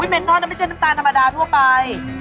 เน้นทอดนี่ไม่ใช่น้ำตาลธรรมดาทั่วไป